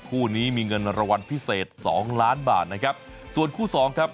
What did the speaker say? คู่นี้มีเงินรางวัลพิเศษสองล้านบาทนะครับส่วนคู่สองครับ